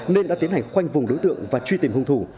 nên đã tiến hành khoanh vùng đối tượng và truy tìm hung thủ